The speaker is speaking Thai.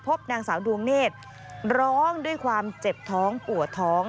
นางสาวดวงเนธร้องด้วยความเจ็บท้องปวดท้อง